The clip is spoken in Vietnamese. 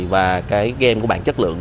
và cái game của bạn chất lượng